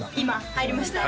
入りました